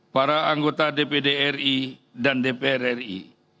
para anggota dpd ri dan dpr ri